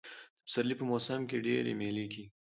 د پسرلي په موسم کښي ډېرئ مېلې کېږي.